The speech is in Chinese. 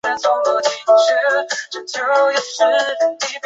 科学酬载